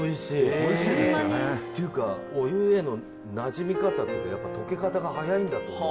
っていうかお湯へのなじみ方っていうかやっぱ溶け方が早いんだと思う。